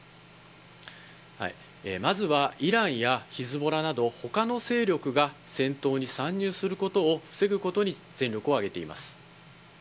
まずは、イランやヒズボラなど、ほかの勢力が戦闘に参入することを防ぐことに全力を挙げています。